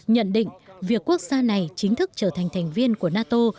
nhận định việc quốc gia này chính thức trở thành thành viên của nato